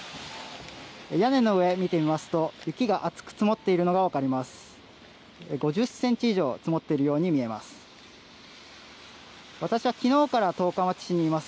屋根の上見てみますと、雪が厚く積もっているのが分かります。